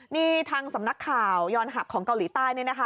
นี่ทางสำนักข่าวยอนหับของเกาหลีใต้นี่นะคะ